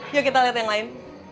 yuk kita lihat yang lain